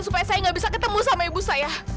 supaya saya nggak bisa ketemu sama ibu saya